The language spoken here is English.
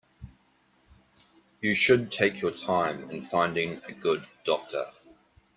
You should take your time in finding a good doctor.